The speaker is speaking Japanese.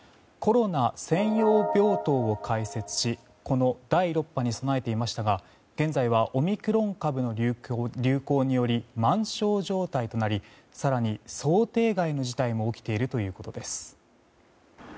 コロナ専用病棟を開設しこの第６波に備えていましたが現在はオミクロン株の流行により満床状態となり更に想定外の事態も起きているということです。